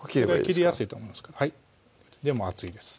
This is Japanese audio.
切りやすいと思うんですけどでも熱いです